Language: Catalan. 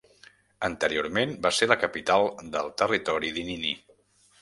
Anteriorment va ser la capital del territori d'Inini.